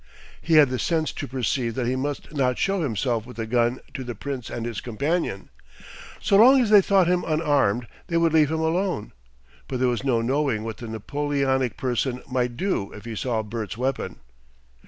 He had the sense to perceive that he must not show himself with the gun to the Prince and his companion. So long as they thought him unarmed they would leave him alone, but there was no knowing what the Napoleonic person might do if he saw Bert's weapon.